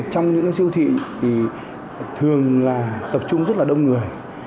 trong những siêu thị thì thường là tập trung rất là đông người